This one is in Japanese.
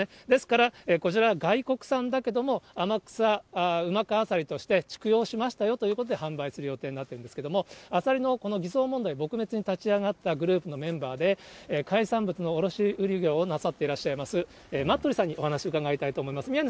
ですから、こちら、外国産だけども、天草うまかアサリとして畜養しましたよということで、販売する予定になってるんですけれども、アサリのこの偽装問題撲滅に立ち上がったグループのメンバーで、海産物の卸売業をなさっていらっしゃいます待鳥さんにお話伺いたいと思います。